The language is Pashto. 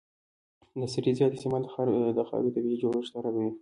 د سرې زیات استعمال د خاورې طبیعي جوړښت خرابوي.